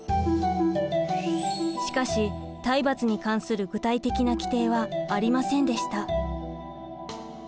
しかし体罰に関する具体的な規定はありませんでした。